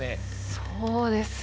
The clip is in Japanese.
そうですね。